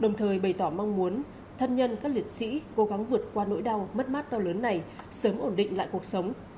đồng thời bày tỏ mong muốn thân nhân các liệt sĩ cố gắng vượt qua nỗi đau mất mát to lớn này sớm ổn định lại cuộc sống